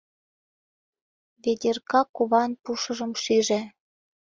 Ведерка куван пушыжым шиже.